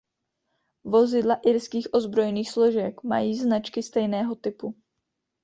Vozidla irských ozbrojených složek mají značky stejného typu.